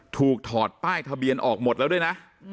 ถอดป้ายทะเบียนออกหมดแล้วด้วยนะ